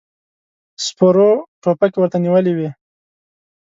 سپرو ټوپکې ورته نيولې وې.